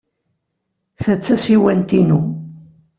Ta d tasiwant-inu.